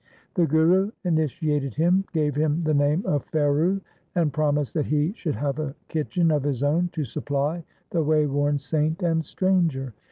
The Guru initiated him, gave him the name of Pheru, and promised that he should have a kitchen of his own to supply the wayworn saint and stranger.